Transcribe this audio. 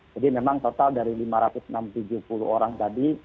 jadi memang total dari lima ratus enam puluh orang tadi